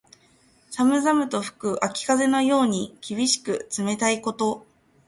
寒々と吹く秋風のように、厳しく冷たいこと。